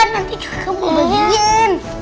tapi bella bahkan tidak